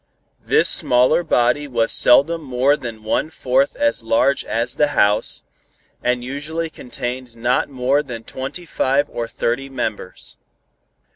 This smaller body was seldom more than one fourth as large as the House, and usually contained not more than twenty five or thirty members.